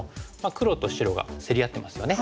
黒と白が競り合ってますよね。